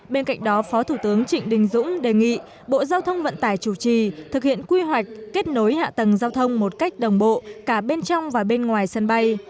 bên cạnh đó phó thủ tướng trịnh đình dũng đề nghị bộ giao thông vận tải chủ trì thực hiện quy hoạch kết nối hạ tầng giao thông một cách đồng bộ cả bên trong và bên ngoài sân bay